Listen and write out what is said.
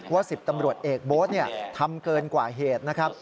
ว่าสิบตำรวจเอกโบสต์ทำเกินกว่าเหตุ